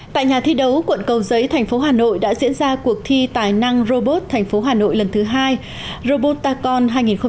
tại nhà thi đấu quận cầu giấy tp hà nội đã diễn ra cuộc thi tài năng robot tp hà nội lần thứ hai robot tacon hai nghìn một mươi bảy